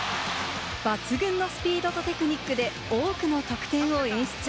抜群のスピードとテクニックで多くの得点を演出。